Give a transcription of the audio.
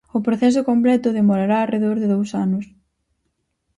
O proceso completo demorará arredor de dous anos.